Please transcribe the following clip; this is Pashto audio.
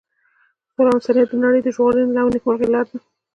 سوله او انسانیت د نړۍ د ژغورنې او نیکمرغۍ لاره ده.